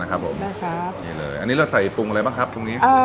ได้ครับถูกนี่เลยอันนี้เราใส่ปรุงอะไรบ้างครับปรุงนี้